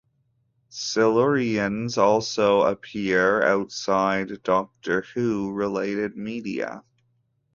Silurians also appear outside "Doctor Who"-related media.